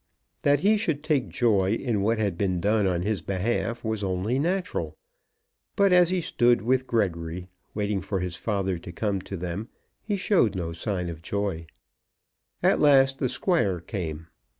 That he should take joy in what had been done on his behalf was only natural; but as he stood with Gregory, waiting for his father to come to them, he showed no sign of joy. At last the Squire came.